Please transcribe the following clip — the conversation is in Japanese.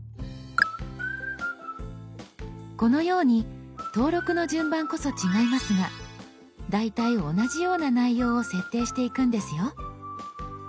このように登録の順番こそ違いますが大体同じような内容を設定していくんですよ。